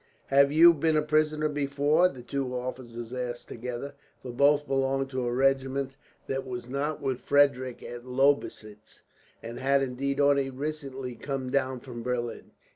"Have you been a prisoner before?" the two officers asked together, for both belonged to a regiment that was not with Frederick at Lobositz, and had indeed only recently come down from Berlin.